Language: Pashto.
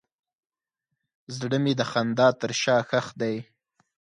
زړه مې د خندا تر شا ښخ دی.